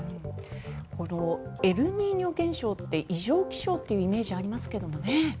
このエルニーニョ現象って異常気象というイメージがありますけども。